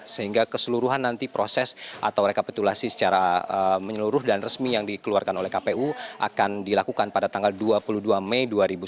sehingga keseluruhan nanti proses atau rekapitulasi secara menyeluruh dan resmi yang dikeluarkan oleh kpu akan dilakukan pada tanggal dua puluh dua mei dua ribu sembilan belas